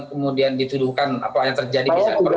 kemudian dituduhkan apa yang terjadi